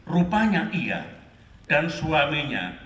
rupanya ia dan suaminya